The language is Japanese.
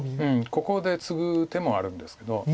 ここでツグ手もあるんですけど。